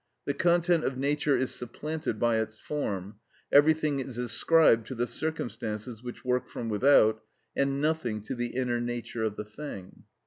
The content of nature is supplanted by its form, everything is ascribed to the circumstances which work from without, and nothing to the inner nature of the thing.